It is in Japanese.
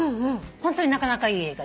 ホントになかなかいい映画。